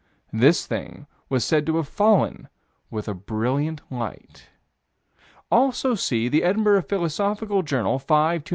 This thing was said to have fallen with a brilliant light. Also see the Edinburgh Philosophical Journal, 5 295.